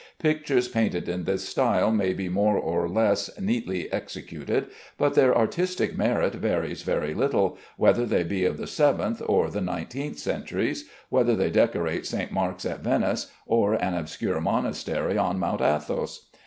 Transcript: Pictures painted in this style may be more or less neatly executed, but their artistic merit varies very little, whether they be of the seventh or the nineteenth centuries, whether they decorate St. Mark's at Venice or an obscure monastery on Mount Athos.